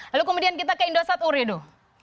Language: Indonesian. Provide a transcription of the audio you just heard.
lalu kemudian kita ke indosat uryodo